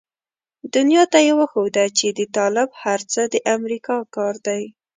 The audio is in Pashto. دنيا ته يې وښوده چې د طالب هر څه د امريکا کار دی.